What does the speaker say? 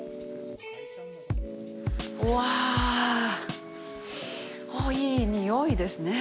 うわぁ、いい匂いですね。